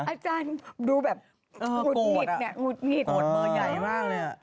อาจารย์ดูแบบหงุดหงิดเนี่ยหงุดหงิดหมดเบอร์ใหญ่มากเลย